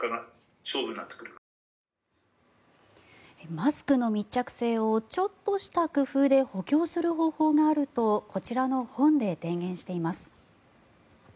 マスクの密着性をちょっとした工夫で補強する方法があるとこちらの本で提言しています。